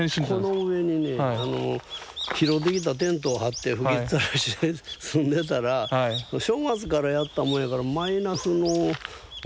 この上にね拾ってきたテントを張って吹きっさらしで住んでたら正月からやったもんやからマイナスの昔は１６度って。